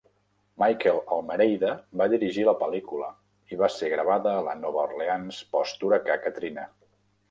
Michael Almereyda va dirigir la pel·lícula i va ser gravada a la Nova Orleans post-huracà Katrina.